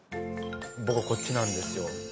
僕こっちなんですよ。